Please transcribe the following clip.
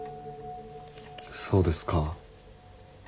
そうですか。